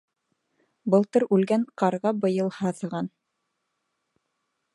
Былтыр үлгән ҡарға быйыл һаҫыған.